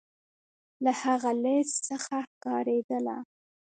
له هغه لیست څخه ښکارېدله.